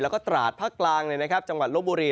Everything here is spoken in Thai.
แล้วก็ตราดภาคกลางจังหวัดลบบุรี